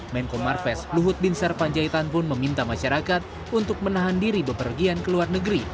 menko marves luhut bin sarpanjaitan pun meminta masyarakat untuk menahan diri bepergian ke luar negeri